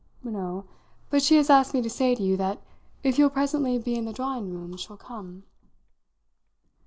"No, but she has asked me to say to you that if you'll presently be in the drawing room she'll come."